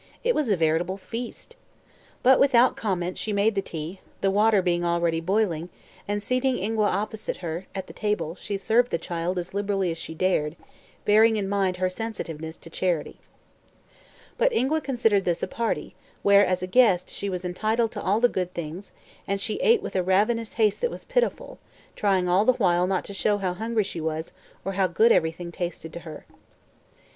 It was a veritable feast. But without comment she made the tea, the water being already boiling, and seating Ingua opposite her at the table she served the child as liberally as she dared, bearing in mind her sensitiveness to "charity." But Ingua considered this a "party," where as a guest she was entitled to all the good things, and she ate with a ravenous haste that was pitiful, trying the while not to show how hungry she was or how good everything tasted to her.